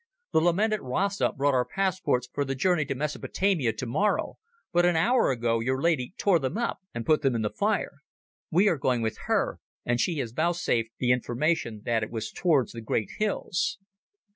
The lamented Rasta brought our passports for the journey to Mesopotamia tomorrow, but an hour ago your lady tore them up and put them in the fire. We are going with her, and she vouchsafed the information that it was towards the great hills."